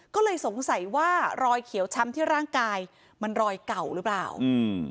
ก็เลยสงสัยว่ารอยเขียวช้ำที่ร่างกายมันรอยเก่าหรือเปล่าอืม